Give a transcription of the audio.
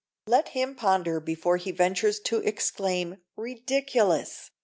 Let him ponder before he ventures to exclaim, "Ridiculous!"